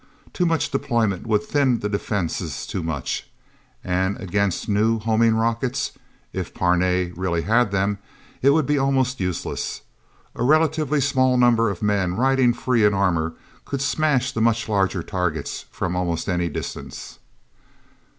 Too much deployment would thin the defenses too much. And against new, homing rockets if Parnay really had them it would be almost useless. A relatively small number of men, riding free in armor, could smash the much larger targets from almost any distance.